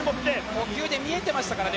呼吸で見てましたからね。